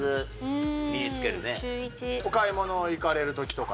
お買い物行かれる時とか？